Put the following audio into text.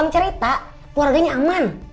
bang cerita keluarganya aman